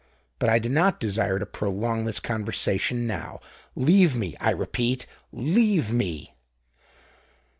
But I do not desire to prolong this conversation now. Leave me, I repeat—leave me!"